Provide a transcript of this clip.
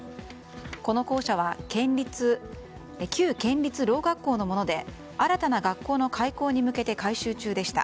この校舎は旧県立ろう学校のもので新たな学校の開校に向けて改修中でした。